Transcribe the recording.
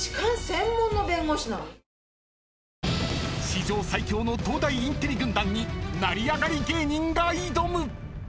［史上最強の東大インテリ軍団に成り上がり芸人が挑む！］